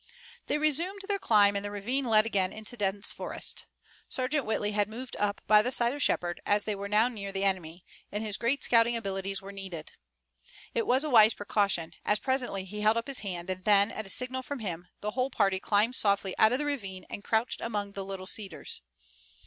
They resumed their climb and the ravine led again into dense forest. Sergeant Whitley had moved up by the side of Shepard, as they were now near the enemy, and his great scouting abilities were needed. It was a wise precaution, as presently he held up his hand, and then, at a signal from him, the whole party climbed softly out of the ravine, and crouched among the little cedars.